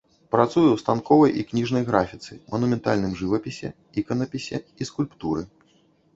Працуе ў станковай і кніжнай графіцы, манументальным жывапісе, іканапісе і скульптуры.